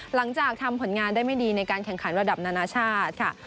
หลังจากทำผลงานได้ไม่ดีในการแข่งขันระดับนานาชาติค่ะ